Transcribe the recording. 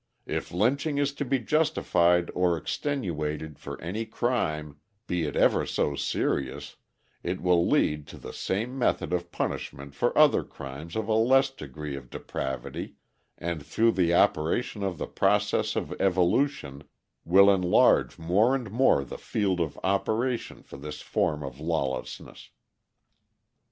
If lynching is to be justified or extenuated for any crime, be it ever so serious, it will lead to the same method of punishment for other crimes of a less degree of depravity, and through the operation of the process of evolution, will enlarge more and more the field of operation for this form of lawlessness."